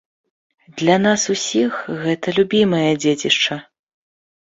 Для нас усіх гэта любімае дзецішча.